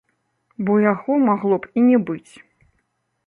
Бо яго магло б і не быць.